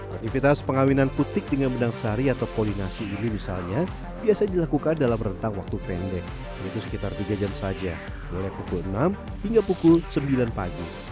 aktivitas pengawinan putik dengan benang sari atau kolinasi ini misalnya biasa dilakukan dalam rentang waktu pendek yaitu sekitar tiga jam saja mulai pukul enam hingga pukul sembilan pagi